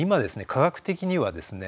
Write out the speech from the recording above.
科学的にはですね